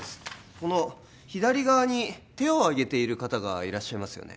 この左側に手をあげている方がいらっしゃいますよね